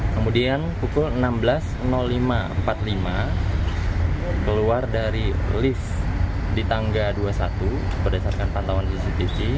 kemudian pukul enam belas lima empat puluh lima keluar dari list di tanggal dua puluh satu berdasarkan pantauan cctv